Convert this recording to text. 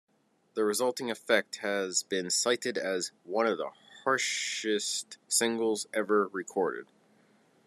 The resulting effect has been cited as "one of the harshest singles ever recorded".